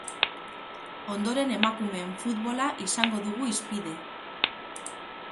Ondoren emakumeen futbola izango dugu hizpide.